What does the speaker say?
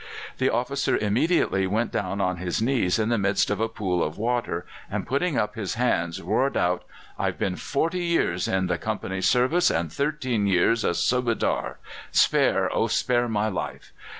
The officer immediately went down on his knees in the midst of a pool of water, and putting up his hands, roared out: "I've been forty years in the Company's service, and thirteen years a Subadar. Spare oh, spare my life!"